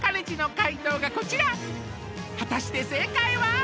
ちの解答がこちら果たして正解は？